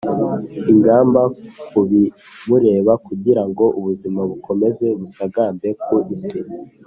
ingamba ku bimureba, kugira ngo ubuzima bukomeze busagambe ku isi.